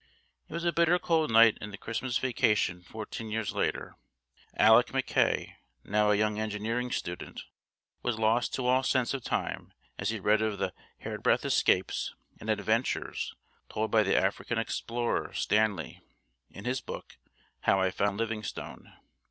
It was a bitter cold night in the Christmas vacation fourteen years later. Alec Mackay, now a young engineering student, was lost to all sense of time as he read of the hairbreadth escapes and adventures told by the African explorer, Stanley, in his book, How I found Livingstone.